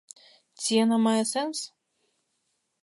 Ці яна мае сэнс?